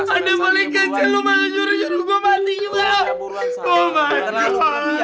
ada boleh cancel lo malah nyuruh nyuruh gue mati juga